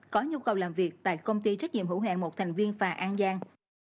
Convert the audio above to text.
có nhu cầu làm việc tại công ty trách nhiệm hữu hạng một thành viên phà an giang